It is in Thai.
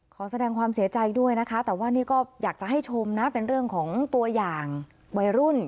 ขอแสดงความเสียใจด้วยนะคะแต่ว่านี่ก็อยากจะให้ชมนะเป็นเรื่องของตัวอย่างวัยรุ่น